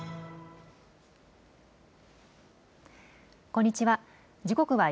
こんにちは。